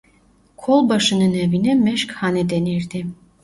Kolbaşının evine "meşkhane" denirdi.